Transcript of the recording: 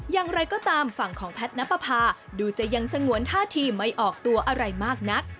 อย่างไรก็ตามฝั่งของแพทย์นับประพาดูจะยังสงวนท่าทีไม่ออกตัวอะไรมากนัก